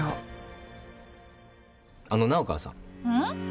うん？